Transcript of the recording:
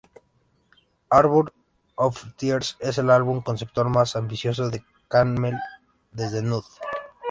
Harbour of Tears es el álbum conceptual más ambicioso de Camel desde Nude.